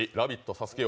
ＳＡＳＵＫＥ